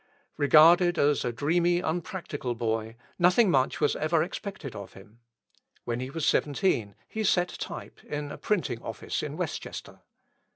Regarded as a dreamy, unpractical boy, nothing much was ever expected of him. When he was seventeen he set type in a printing office in Westchester.